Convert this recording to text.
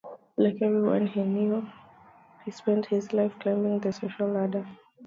Like everyone he knows, he spends his life climbing the social ladder.